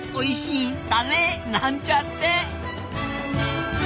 なんちゃって。